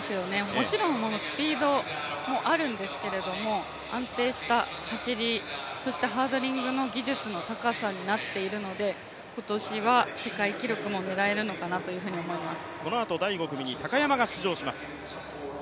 もちろんスピードもあるんですけど、安定した走りそしてハードリングの技術の高さになっているので今年は世界記録も狙えるのかなと思います。